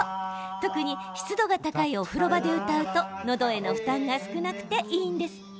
特に湿度が高いお風呂場で歌うとのどへの負担が少なくていいんですって。